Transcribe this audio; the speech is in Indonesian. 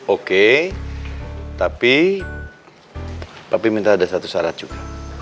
oke tapi minta ada satu syarat juga